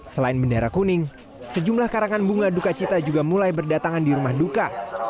selain bendera kuning sejumlah karangan bunga duka cita juga mulai berdatangan di rumah duka